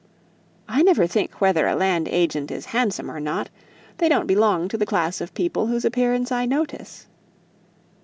"I never think whether a land agent is handsome or not. They don't belong to the class of people whose appearance I notice."